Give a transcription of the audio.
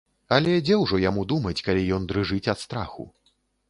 Але дзе ўжо яму думаць, калі ён дрыжыць ад страху.